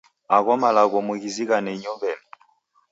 Agho malagho mughizighane inyow'eni.